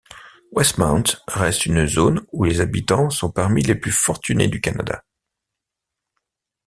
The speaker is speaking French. Westmount reste une zone où les habitants sont parmi les plus fortunés du Canada.